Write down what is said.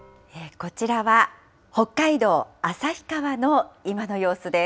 こちらは、北海道旭川の今の様子です。